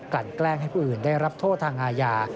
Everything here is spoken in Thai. แกล้งให้ผู้อื่นได้รับโทษทางอาญา